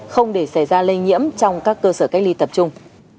không để xảy ra lây nhiễm trong các cơ sở cách ly tập trung